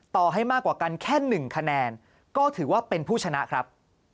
ต่อให้มากกว่ากันแค่๑คะแนนก็ถือว่าเป็นผู้ชนะครับ